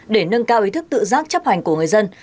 để nâng cao ý thức tự giác chấp hành của người dân